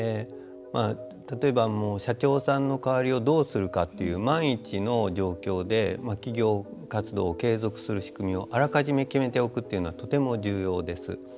例えば、社長さんの代わりをどうするかっていう万一の状況で企業活動を継続する仕組みをあらかじめ決めておくっていうのはとても重要です。